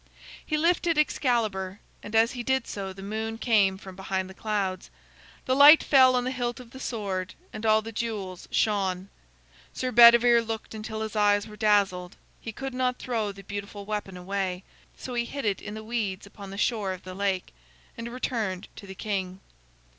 He lifted Excalibur, and as he did so the moon came from behind the clouds. The light fell on the hilt of the sword, and all the jewels shone. Sir Bedivere looked until his eyes were dazzled; he could not throw the beautiful weapon away. So he hid it in the weeds upon the shore of the lake, and returned to the king.